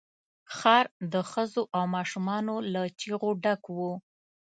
ښار د ښځو او ماشومان له چيغو ډک وو.